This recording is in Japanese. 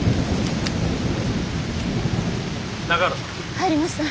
入りました！